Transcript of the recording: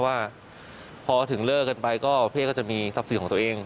ว่าพอถึงเลิกกันไปก็พี่ก็จะมีทรัพย์สินของตัวเอง